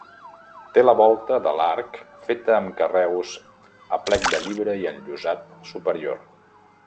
Té la volta de l'arc feta amb carreus a plec de llibre i enllosat superior.